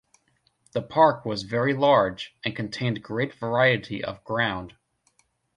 The park was very large, and contained great variety of ground.